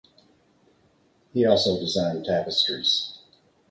He also designed tapestries.